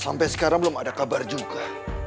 sampai sekarang belum ada kabar juga